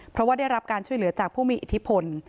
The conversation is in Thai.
เพราะว่าได้รับการช่วยเหลือจากผู้มีอิทธิพล